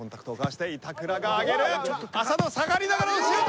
浅野下がりながらのシュート！